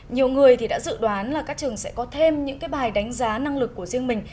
nhiều người thì đã dự đoán là các trường sẽ có thêm những bài đánh giá năng lực của riêng mình